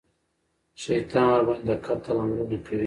شیطان ورباندې د قتل امرونه کوي.